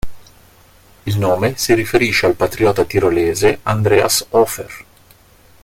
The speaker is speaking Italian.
Il nome si riferisce al patriota tirolese Andreas Hofer.